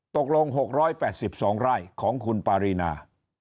ตกลง๖๘๒ไร่ของคุณปารีนา